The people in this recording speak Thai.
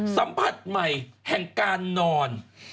สัมผัสใหม่แห่งการนอน